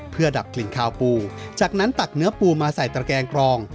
เพื่อดับกลิ่นคาวปูจากนั้นตักเนื้อปูมาใส่ตระแกงกรอง